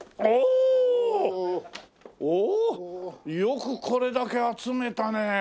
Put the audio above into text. おおよくこれだけ集めたね。